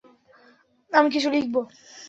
আমি কিছু লিখব।